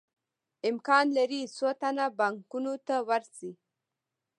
امکان لري څو تنه بانکونو ته ورشي